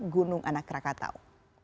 gunung anak krakatau